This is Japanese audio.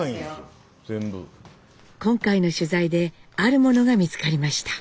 今回の取材であるものが見つかりました。